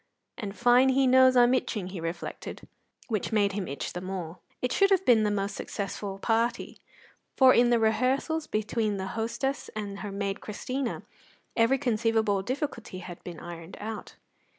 "And fine he knows I'm itching," he reflected, which made him itch the more. It should have been a most successful party, for in the rehearsals between the hostess and her maid Christina every conceivable difficulty had been ironed out.